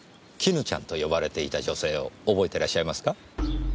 絹ちゃんと呼ばれていた女性を覚えてらっしゃいますか？